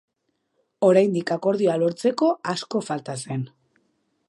Oraindik akordioa lortzeko asko falta zen.